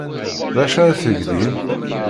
D acu ara teg din?